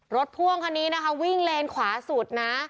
รถพ่วงคราวนี้วิ่งเลนส์ขวาสุดนะ